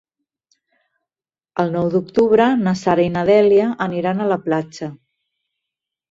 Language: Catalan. El nou d'octubre na Sara i na Dèlia aniran a la platja.